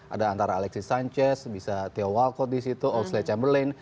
ada antara alexis sanchez bisa theo walkot di situ oxled chamberlain